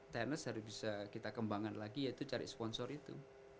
tenis harus bisa kita kembangkan lagi yaitu cari sponsor itu